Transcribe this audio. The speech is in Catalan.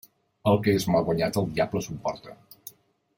El que és mal guanyat el diable s'ho emporta.